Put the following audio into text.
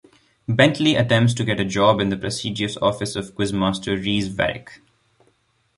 Benteley attempts to get a job in the prestigious office of Quizmaster Reese Verrick.